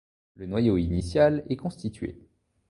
Le noyau initial est constitué.